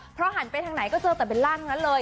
เพราะหันไปทางไหนก็เจอแต่เบลล่าทั้งนั้นเลย